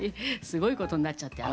すごいことになっちゃって。